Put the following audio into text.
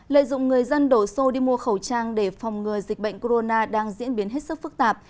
lợi dụng người dân đổ xô đi mua khẩu trang để phòng ngừa dịch bệnh corona đang diễn biến hết sức phức tạp